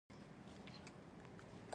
سیلاني ځایونه د افغانستان د ملي هویت نښه ده.